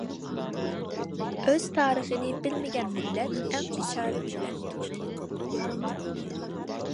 ئۆز تارىخىنى بىلمىگەن مىللەت ئەڭ بىچارە مىللەتتۇر.